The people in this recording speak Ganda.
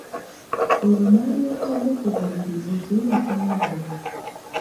Olwo n'alyoka agwa ku buliri otulo ne tumubba.